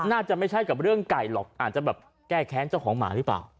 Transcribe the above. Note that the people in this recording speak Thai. น่าจะไม่ใช่กับเรื่องไก่หรอกอาจจะแบบแก้แค้นเจ้าของหมาหรือเปล่า